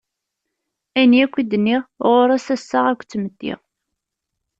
Ayen yakk i d-nniɣ, ɣur-s assaɣ akked tmetti.